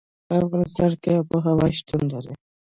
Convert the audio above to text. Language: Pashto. په افغانستان کې آب وهوا شتون لري.